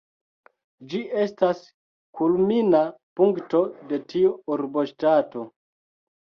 Ĝi estas kulmina punkto de tiu urboŝtato.